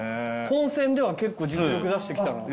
本選では結構実力出してきた。